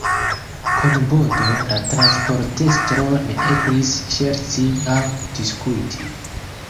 Kun Bodo, la transportestro, ne eblis ŝerci aŭ diskuti.